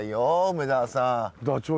梅沢さん。